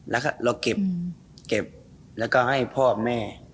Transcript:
แล้วก็เราเก็บแล้วก็ให้พ่อแม่